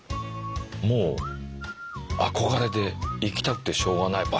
もう憧れで行きたくてしょうがない場所みたいな感じの。